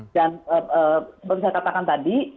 dan seperti saya katakan tadi